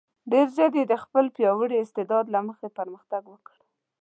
ډېر ژر یې د خپل پیاوړي استعداد له مخې پرمختګ وکړ.